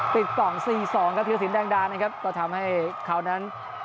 ปิดกล่อง๔๒กับเทศสินด้านด้านนะครับก็ทำให้คราวนั้น